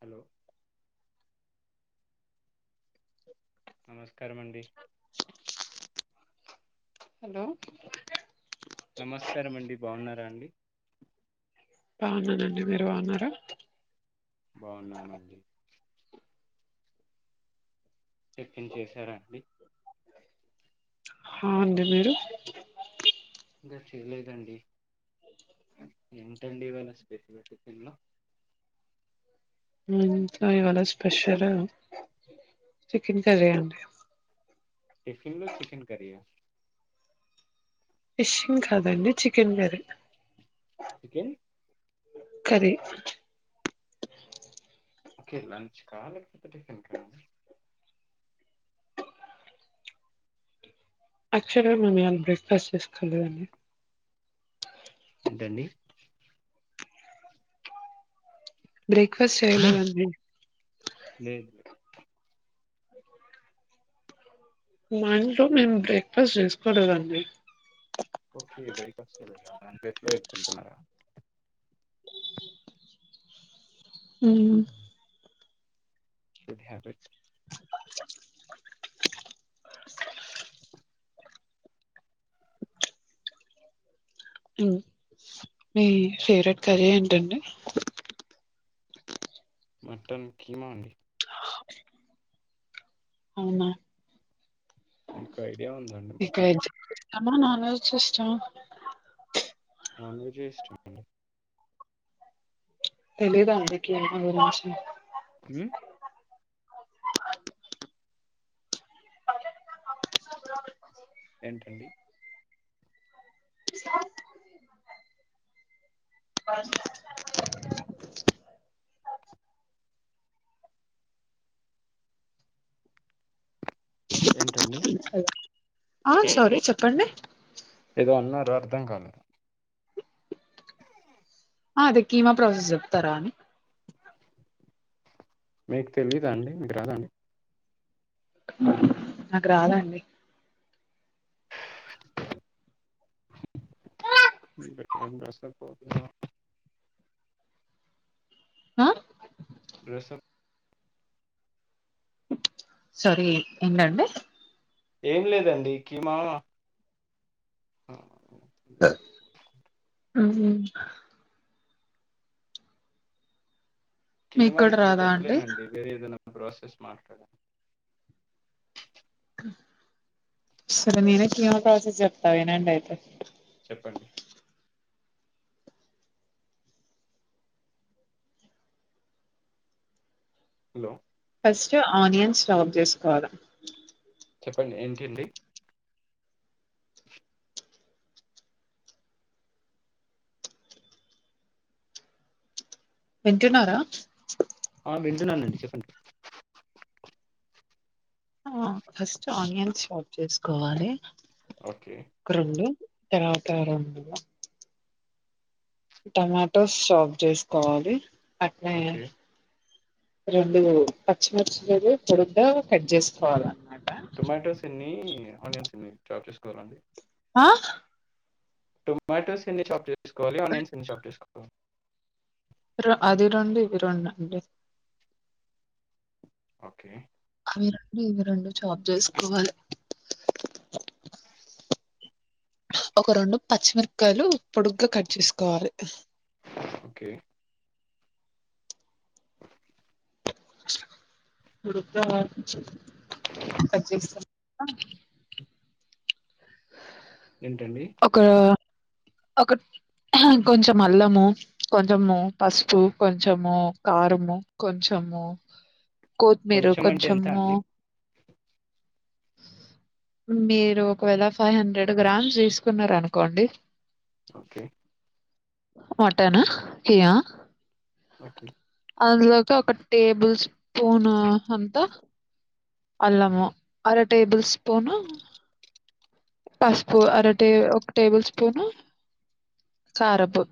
hello [inaudible] నమస్కారమండి hello నమస్కారం అండి బాగున్నారా అండి బాగున్నానండి మీరు బాగున్నార బాగున్నామండి టిఫిన్ చేసారా అండి అ అండి మీరు ఇంకా చేయలేదండి ఏంటండి ఇవాళ స్పెసిఫ పల్లో ఇకా ఇవాళ స్పెషల్ చికెన్ కర్రీ అండి టిఫిన్ లో చికెన్ కర్రీయా ఫిష్ ని కాదండి chicken curry chicken curry okay lunch కా లేకపోతే టిఫిన్ కా యాక్చువల్గా మేము ఇవాళ బ్రేక్ఫాస్ట్ చేసుకోలేదండి ఏంటండి బ్రేక్ఫాస్ట్ చేసుకోలేదు అండి లే ముందు మేము బ్రేక్ఫాస్ట్ చేసుకోలేదండి అంటే ఎట్లో ఇది తింటున్నారా ఉమ్ గుడ్ హాబిట్ మీ ఫేవరెట్ కర్రీ ఏంటండి మటన్ కీమా అండి [inaudible] అవునా మీకు ఐడియా ఉందాండి మటన్ కి ఆ నాన్ వెజ్ చేస్తా నాన్ వెజే ఇష్టం అండి తెలిదా అండి [unintelligible] ఉమ్ ఏంటండి బ ఏంటండి ఆ సారీ చెప్పండి ఏదో అన్నారు అర్ధం కాలే ఆ అదే కీమా ప్రాసెస్ చెప్తారా అని మీకు తెలీదు అండి మీకు రాద అండి నాకు రాదండి [unintelligible] ఆ డ్రెస్అప్ సారీ ఏంటండి ఏం లేదండి కీమా ఆ ఆ ఉహూ మీకు కీమా కూడా ఇప్పుడు రాదా అండి చెప్పలేనండి వేరే ఏదైనా ప్రాసెస్ మా సరే నేను కీమా ప్రాసెస్ చెప్తావినండి అయితే చెప్పండి హలో ఫస్ట్ ఆనియన్స్ చాప్ చేసుకోవాలి చెప్పండి ఏంటి అండి హా వింటున్నారా ఆ వింటున్నానండి చెప్పండి ఆ ఫస్ట్ ఆనియన్స్ చాప్ చేసుకోవాలి ఓకే ఒక రెండు తర్వాత టమాటోస్ షాప్ చేసుకోవాలి అట్నే ఓకే రెండు పచ్చిమిర్చి లను పొడుగ్గా కట్ చేసుకోవాలన్నమాట టొమాటోస్ ఏన్ని ఆనియన్స్ ఎన్ని చాప్ లండి ఆ టొమాటోస్ ఎన్ని చాప్ చే సుకోవాలి ఆనియన్స్ ఎన్ని చాప్ చేసుకోవాలి ఓ అది రెండు ఇవి రెండు అండి ఓకే అవి రెండు ఇవి రెండు చాప్ చేసుకోవాలి ఒక రెండు పచ్చిమిరకాయలు పొడుగ్గా కట్ చేసుకోవాలి ఓకే పొడుగ్గా కట్ చేసాక ఏంటండి ఒక ఒక అహా కొంచం అల్లము కొంచము పసుపు కొంచము కారము కొంచము కోత్మీరు కొంచెం అంటే ఎంత కొంచము అండి మీరు ఒకవేళ ఫైవ్ హండ్రెడ్ గ్రామ్స్ తీసుకున్నారు అనుకోండి ఓకే మటనా యా ఓకే అందులోకి ఒక టేబుల్ స్పూన్ అంత అల్లము అర టేబుల్ స్పూను పసుపు అర టే ఒక టేబుల్ స్పూను కారము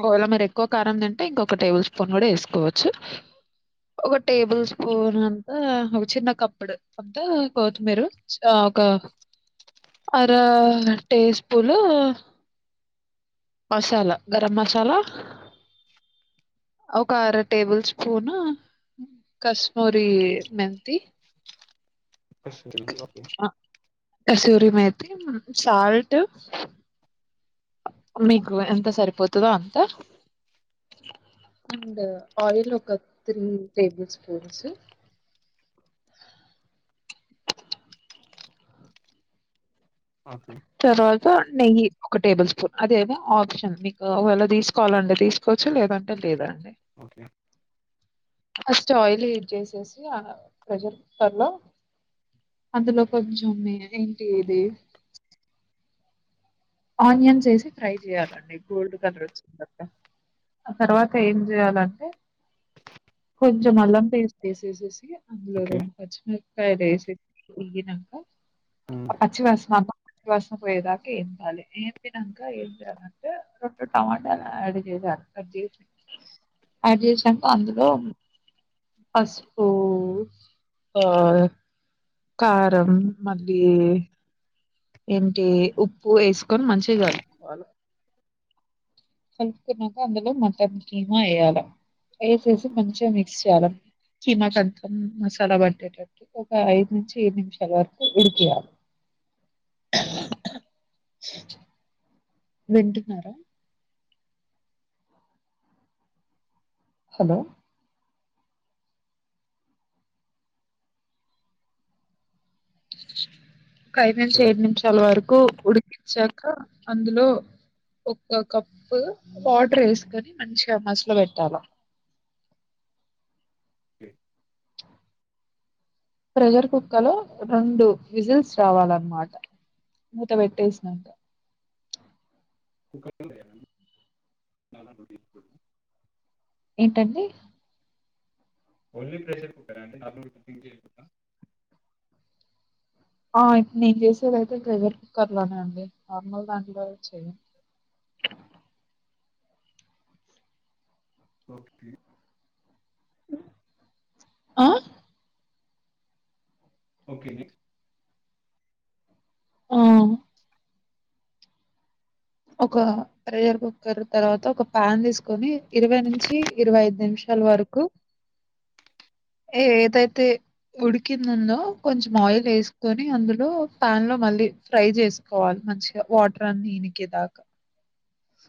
ఒకవేళ మీరు ఎక్కువ కారం తింటే ఇంకొక టేబుల్ స్పూన్ కూడా వేసుకోవచ్చు ఒక ఓకే టేబుల్ స్పూన్ ఒక చిన్న కప్పుడు అంతా కోత్మీరు ఒక అర టీ స్పూన్ మసాలా గరం మసాలా ఒక అర టేబుల్ స్పూన్ కశమొరి మెంతి కసూరీ మెంతి ఓకే రిమేతి సాల్ట్ మీకు ఎంత సరిపోతదో అంత అండ్ ఆయిల్ ఒక త్రీ టేబుల్ స్పూన్స్ తర్వాత నెయ్యి ఒక టేబుల్ స్పూన్ అదేమో ఆప్షన్ మీకు ఒకవేళ తీసుకోవాలంటే తీసుకోవచ్చు లేదంటే లేదండి ఓకే ఫస్ట్ ఆయిల్ యూజ్ చేసేసి ఆ ప్రెషర్ కుక్కర్ లో అందులో కొంచం నె ఏంటి ఇది ఆనియన్స్ వేసి ఫ్రై చేయాలండి గోల్డ్ కలర్ వచ్చిన తర్వాత ఆ తర్వాత ఏం చేయాలంటే కొంచెం అల్లం పేస్ట్ వేసేసేసి అందులో రెండు పచ్చిమిరకాయలు వేసేసి వేగినంక అ పచ్చివాసన పచ్చివాసన పోయేదాకా ఏంపాలి ఏంపినాక ఏం చేయాలంటే రెండు టమాటాలు యాడ్ చేసా యాడ్ చేసి యాడ్ చేసినంక అందులో పసుపు ఆ కారం మళ్లీ ఏంటి ఉప్పు వేసుకొని మంచిగా కలుపుకోవాలి కలుపుకున్నాక అందులో మటన్ కీమా ఎయ్యాల ఏసేసి మంచిగా మిక్స్ చెయ్యాలి ఇ మటన్ మసాలా పట్టేటట్టు ఒక ఐదు నుంచి ఏడు నిమిషాల వరకు ఉడికియ్యాలి వింటున్నారా హలో ఇ ఒక ఐదు నిమిష ఏడు నిమిషాల వరకు ఉడి కించ్చాక అందులో ఒక కప్పు వాటర్ వేసుకని మంచిగా మసాల పెట్టాల ఓకే ప్రెషర్ కుక్కర్ లో రెండు విజిల్స్ రావాలన్నమాట మూత పెట్టేసినంక కుక్కర్ లోనే చేయాల అండి నార్మల్ గా చేయకుడదా ఏంటండి ఓన్లీ ప్రెషర్ కుక్కరా అండి నార్మల్ కుకింగ్ చేయకుడదా ఆ ఇ నేను చేసేదైతే ప్రెషర్ కుక్కర్ లోనే అండి నార్మల్ దాంట్లో చేయను ఓకే ఆ ఓకేనా ఆ ఒక ప్రెషర్ కుక్కర్ తర్వాత ఒక ప్యాన్ తీసుకొని ఇరవై నుంచి ఇరవై ఐదు నిమిషాల వరకు ఏదైతే ఉడికింద ఉందో కొంచెం ఆయిల్ తీసుకొని అందులో ప్యాన్ లో మళ్ళీ ఫ్రై చేసుకోవాలి మంచిగా వాటర్ అన్ని ని ఉడికేదాక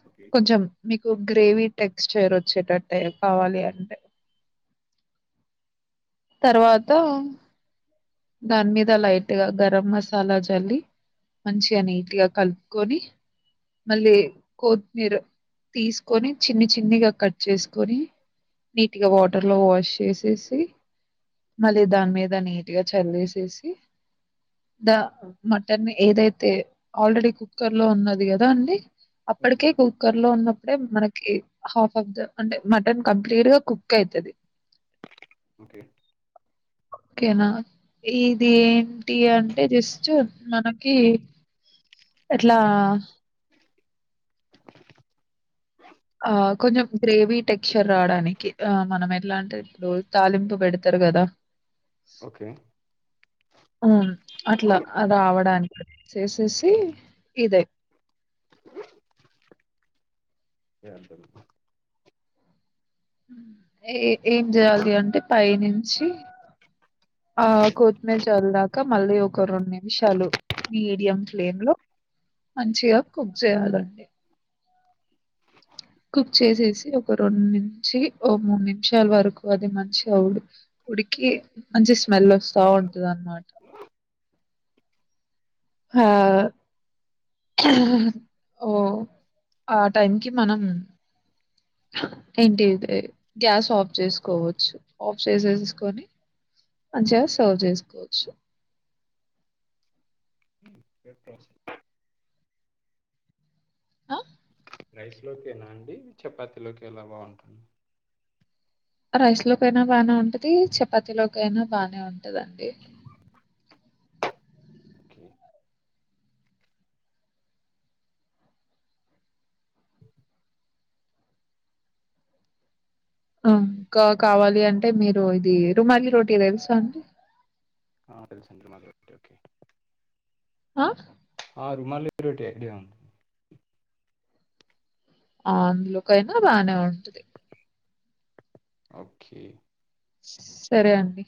ఓకే కొంచెం మీకు గ్రేవీ టెక్స్చైర్ వచ్చేటట్టే కావాలి అంటే తర్వాత దాని మీద లైట్గా గరం మసాలా చల్లి మంచిగా నీట్ గా కలుపుకొని మళ్ళీ కొత్తిమీర తీసుకొని చిన్ని చిన్నిగా కట్ చేసుకొని నీట్గా వాటర్ లో వాష్ చేసేసి మళ్ళీ దాని మీద నీట్గా చల్లేసేసి ద మటన్ ఏదైతే ఆల్రెడీ కుక్కర్ లో ఉన్నది కదా అండి ఓకే అప్పటికే కుక్కర్ లో ఉన్నప్పుడే మనకి హాఫ్ ఆఫ్ ద అంటే మటన్ కంప్లీట్ గా కుక్ అయితది ఓకే ఓకేనా ఇది ఏంటి అంటే జస్ట్ మనకి ఎట్లా ఆ కొంచెం గ్రేవీ టెక్చర్ రావడానికి ఆ మనం ఎట్లా అంటే ఇప్పుడు తాలింపు పెడతారు కదా ఓకే ఆ అట్లా రావడానికి చేసేసి ఇదే [unintelligible] ఏ ఏం చేయాలి అంటే పైనుంచి ఆ కొత్తిమీర చల్లాక మళ్ళీ ఒక రెండు నిమిషాలు మీడియం ఫ్లేమ్ లో మంచిగా కుక్ చేయాలండి కుక్ చేసేసి ఒక రెండు నుంచి ఓ మూడు నిమిషాల వరకు అది మంచిగా ఉడుకు ఉడికి మంచి స్మెల్ వస్తా ఉంటది అన్నమాట ఆ ఓ ఆ టైం కి మనం ఏంటిది గ్యాస్ ఆఫ్ చేసుకోవచ్చు ఆఫ్ చేసేసుకొని మంచిగా సర్వ్ చేసుకోవచ్చు ఉమ్ ఓకే హ రైస్ లోకెనా అండి చపాతిలోకి అలా బాగుంటుందా రైస్ లోకైనా బానే ఉంటది చపాతి లోక అయినా బాగానే ఉంటదండి ఓకే ఆ ఇంకా కావాలి అంటే మీరు ఇది రుమాలి రోటీ తెలుసా అండి ఆ తెలుసండి రుమాల్ రోటి లో కి ఆ ఆహ్ రోమన్ రోటే ఐడియా ఉంది ఆ అందులోకైనా బానే ఉంటది ఓకే సరే అండి